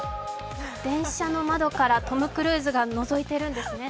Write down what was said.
電車の窓からトム・クルーズがのぞいているんですね。